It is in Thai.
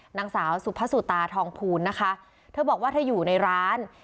นางสาวสุภาสุตาทองภูลนะคะเธอบอกว่าเธออยู่ในร้าน